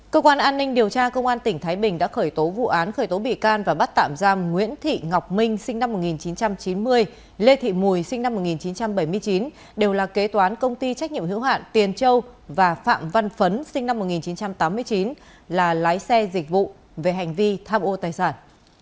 cơ quan an ninh điều tra công an tỉnh thái bình đã khởi tố vụ án khởi tố bị can và bắt tạm giam nguyễn thị ngọc minh sinh năm một nghìn chín trăm chín mươi lê thị mùi sinh năm một nghìn chín trăm bảy mươi chín đều là kế toán công ty trách nhiệm hữu hạn tiền châu và phạm văn phấn sinh năm một nghìn chín trăm tám mươi chín là lái xe dịch vụ về hành vi tham ô tài sản